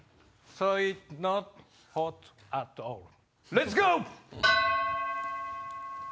レッツゴー！